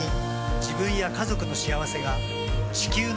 自分や家族の幸せが地球の幸せにつながっている。